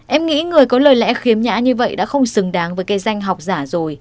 em nghĩ người có lời lẽ khiếm nhã như vậy đã không xứng đáng với kê danh học giáo